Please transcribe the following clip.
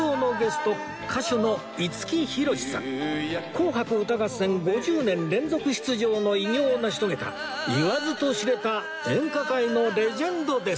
『紅白歌合戦』５０年連続出場の偉業を成し遂げた言わずと知れた演歌界のレジェンドです